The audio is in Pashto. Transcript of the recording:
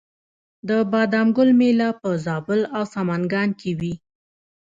د بادام ګل میله په زابل او سمنګان کې وي.